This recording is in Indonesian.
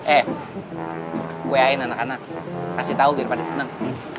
eh gue yakin anak anak kasih tau biar pada seneng